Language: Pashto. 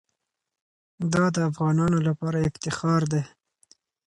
دا د افغانانو لپاره افتخار دی.